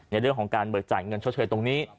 ในเรื่องของการเบิกจ่ายเงินชดเชยตรงนี้